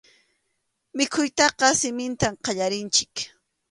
Mikhuytaqa siminta qallarinchik.